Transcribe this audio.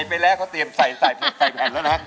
ไปแล้วเขาเตรียมใส่แผ่นแล้วนะครับ